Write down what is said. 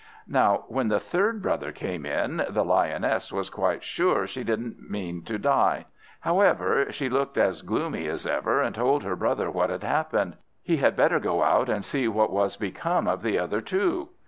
Now when the third brother came in, the Lioness was quite sure she didn't mean to die. However, she looked as gloomy as ever, and told her brother what had happened; he had better go out and see what was become of the other two.